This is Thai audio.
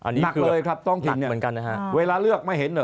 นักเลยครับท้องถิ่นเนี่ยเวลาเลือกมาเห็น